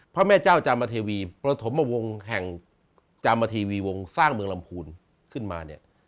พระแม่เจ้าจามเทวีประถมวงแห่งจามเทวีวงสร้างเมืองลำพูนขึ้นมาเนี่ย